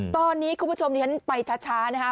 ตอนนี้คุณผู้ชมที่ฉันไปช้านะคะ